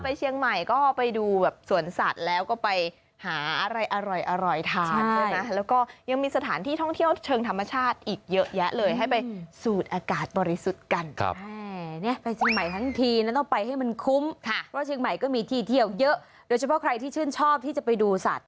ไปเชียงใหม่ก็ไปดูสวนสัตว์แล้วก็ไปหาอะไรอร่อยอร่อยทาน